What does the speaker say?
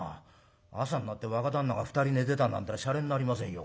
朝になって若旦那が２人寝てたなんてのはしゃれになりませんよ